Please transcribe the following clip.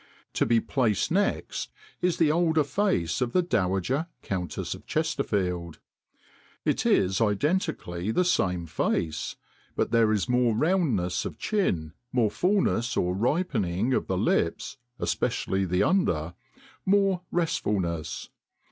To be placed next is the older face of the Dowager Countess of Chesterfield. It is identically the same face. But there is more roundness of chin, more fulness or ripening of the lips (especially the under), more restfulness.